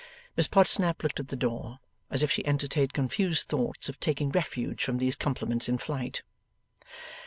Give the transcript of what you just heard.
Miss Podsnap looked at the door, as if she entertained confused thoughts of taking refuge from these compliments in flight.